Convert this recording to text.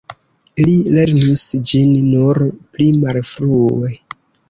Li lernis ĝin nur pli malfrue.